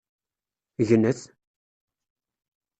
Gnet!